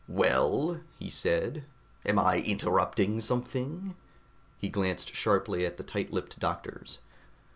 "Well?" he said. "Am I interrupting something?" He glanced sharply at the tight lipped doctors.